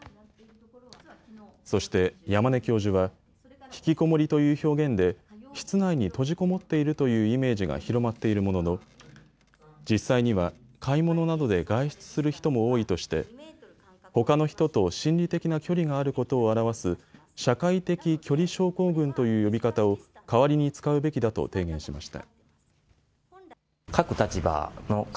そして山根教授は引きこもりという表現で室内に閉じこもっているというイメージが広まっているものの実際には買い物などで外出する人も多いとしてほかの人と心理的な距離があることを表す社会的距離症候群という呼び方を代わりに使うべきだと提言しました。